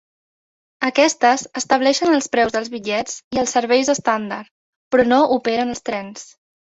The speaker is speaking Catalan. Aquestes estableixen els preus dels bitllets i els serveis estàndard, però no operen els trens.